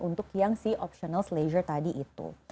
untuk yang si optionals leisure tadi itu